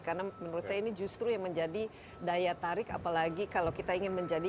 karena menurut saya ini justru yang menjadi daya tarik apalagi kalau kita ingin menjadi